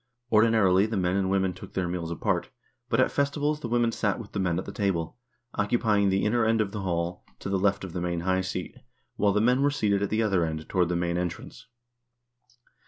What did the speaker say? Ordinarily the men and women took their meals apart, but at festivals the women sat with the men at the table, occupying the inner end of the hall, to the left of the main high seat, while the .,,,,... Fig. 41. — Drinking horn. men were seated at the outer end, toward the main entrance.